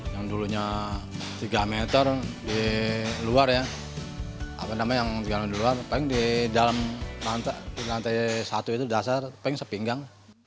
yang dulunya tiga meter di luar ya apa namanya yang di luar paling di dalam lantai satu itu dasar pengk sepinggang